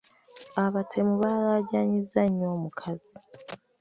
Abatemu baalaajanyizza nnyo omukazi.